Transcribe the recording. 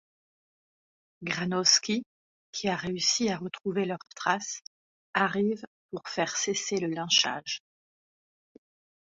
Granowski, qui a réussi à retrouver leur trace, arrive pour faire cesser le lynchage.